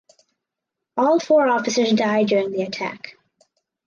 All four officers die during the attack.